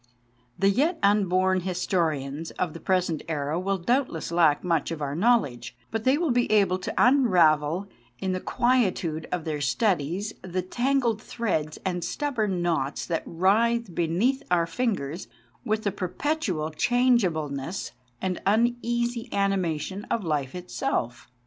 The yet unborn historians of the present era will doubtless lack much of our know ledge, but they will be able to unravel in the quietude of their studies the tangled threads and stubborn knots that writhe beneath our fingers with the perpetual changeableness and uneasy animation of life 231 232 THE DAY BEFORE YESTERDAY itself.